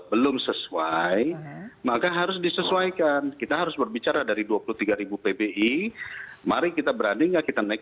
belum sesuai maka harus disesuaikan kita harus berbicara dari dua puluh tiga pbi mari kita berani nggak kita naik